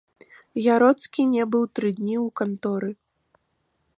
Яроцкі не быў тры дні ў канторы.